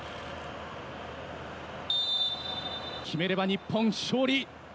決めれば日本勝利。